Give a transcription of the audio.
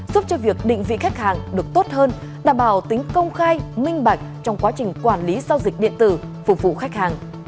giúp cho việc định vị khách hàng được tốt hơn đảm bảo tính công khai minh bạch trong quá trình quản lý giao dịch điện tử phục vụ khách hàng